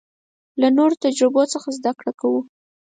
له نورو تجربو څخه زده کړه کوو.